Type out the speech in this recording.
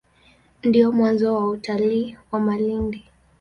Ndio mwanzo wa utalii wa Malindi.